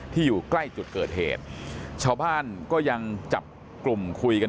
อยู่ใกล้จุดเกิดเหตุชาวบ้านก็ยังจับกลุ่มคุยกัน